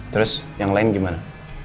terus yang lain gimana